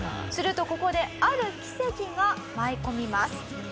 するとここである奇跡が舞い込みます。